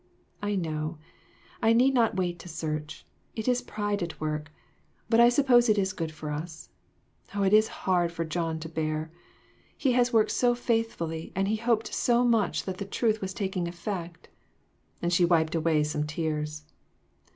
"I know; I need not wait to search. It is pride at work ; but I suppose it is good for us. Oh, it is hard for John to bear. He has worked so faithfully and he hoped so much that the truth was taking effect." And she wiped away some tears.